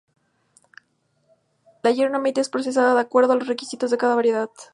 La yerba mate es procesada de acuerdo a los requisitos de cada variedad.